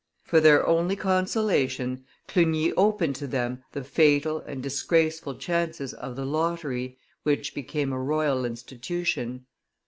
For their only consolation Clugny opened to them the fatal and disgraceful chances of the lottery, which became a royal institution.